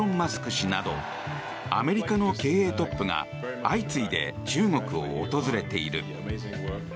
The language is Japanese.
氏などアメリカの経営トップが相次いで中国を訪れている。